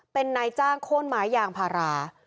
เป็นนายจ้างโค้นไม้ยางพารา